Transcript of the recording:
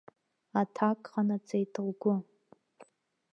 Аҭак ҟанаҵеит лгәы.